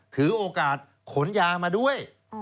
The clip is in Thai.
ถือโอกาสขนยามาด้วย